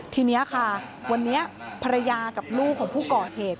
ทีนี้ค่ะวันนี้ภรรยากับลูกของผู้ก่อเหตุ